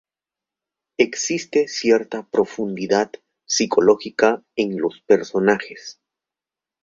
Existe cierta profundidad psicológica en los personajes.